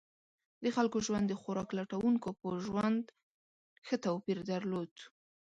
د خلکو ژوند د خوراک لټونکو په ژوند ښه توپیر درلود.